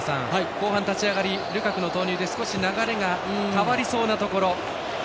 後半、立ち上がりルカクの投入で少し流れが変わりそうなところ。